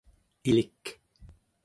ilik